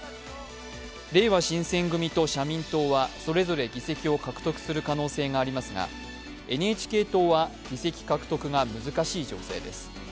れいわ新選組と社民党はそれぞれ議席を獲得する可能性がありますが、ＮＨＫ党は議席獲得が難しい情勢です。